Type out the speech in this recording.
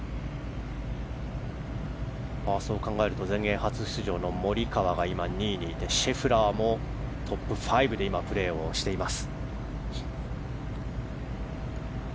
そう考えると、全英初出場のモリカワが２位にいてシェフラーもトップ５で今、プレーしています。